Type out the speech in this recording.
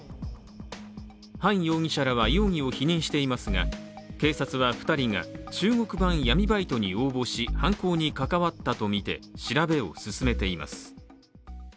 范容疑者らは容疑を否認していますが、警察は２人が中国版闇バイトに応募し犯行に関わったとみて、調べを進めています。